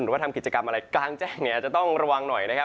ว่าทำกิจกรรมอะไรกลางแจ้งเนี่ยอาจจะต้องระวังหน่อยนะครับ